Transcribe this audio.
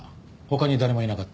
他に誰もいなかった。